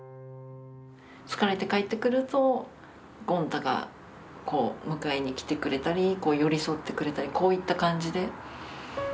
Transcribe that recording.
疲れて帰ってくるとゴン太が迎えに来てくれたり寄り添ってくれたりこういった感じで。